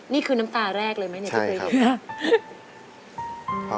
นี่คือน้ำตาแรกเลยไหมใช่ครับ